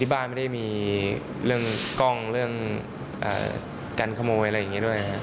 บ้านไม่ได้มีเรื่องกล้องเรื่องการขโมยอะไรอย่างนี้ด้วยครับ